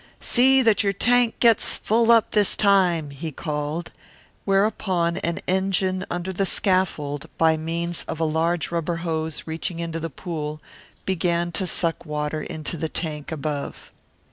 "See that your tank gets full up this time," he called, whereupon an engine under the scaffold, by means of a large rubber hose reaching into the pool, began to suck water into the tank above.